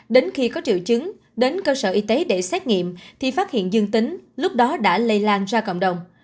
đến khi có triệu chứng đến cơ sở y tế để xét nghiệm thì phát hiện dương tính lúc đó đã lây lan ra cộng đồng